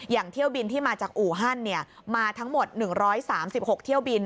เที่ยวบินที่มาจากอู่ฮั่นมาทั้งหมด๑๓๖เที่ยวบิน